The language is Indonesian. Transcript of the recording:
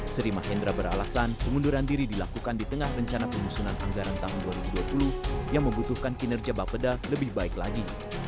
sri mahendra beralasan pengunduran diri dilakukan di tengah rencana penyusunan anggaran tahun dua ribu dua puluh yang membutuhkan kinerja bapeda lebih baik lagi